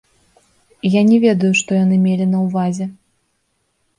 Я не ведаю, што яны мелі на ўвазе.